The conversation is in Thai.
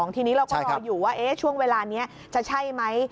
ทีนี้เราก็รออยู่ว่าช่วงเวลานี้จะใช่ไหม